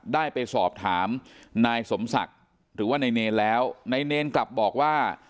ได้ไปสอบถามนายสมศักดิ์หรือว่านายเนรแล้วนายเนรกลับบอกว่า